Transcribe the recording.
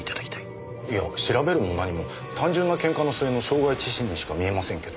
いや調べるも何も単純なケンカの末の傷害致死にしか見えませんけど。